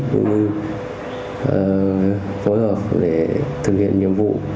đối với phối hợp để thực hiện nhiệm vụ